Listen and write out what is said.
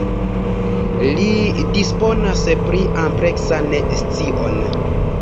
Li disponas pri ampleksan scion.